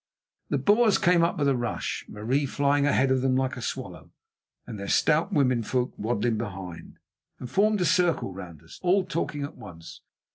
The Boers came up with a rush, Marie flying ahead of them like a swallow, and their stout womenfolk waddling behind, and formed a circle round us, all talking at once.